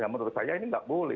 menurut saya ini tidak boleh